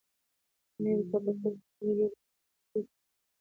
د نوي کال په پیل کې خلک یو بل ته مبارکي ورکوي.